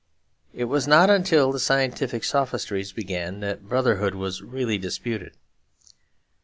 It was not until the scientific sophistries began that brotherhood was really disputed.